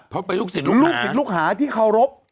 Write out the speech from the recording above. เพราะไปลูกศิษย์ลูกหาลูกศิษย์ลูกหาที่เขารพ